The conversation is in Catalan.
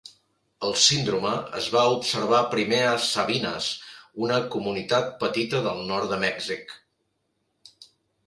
El síndrome es va observar primer a Sabinas, una comunitat petita del nord de Mèxic.